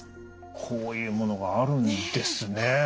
こういうものがあるんですね。